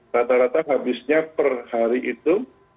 rata rata habisnya per hari itu